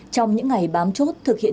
trong những ngày bám chốt thực hiện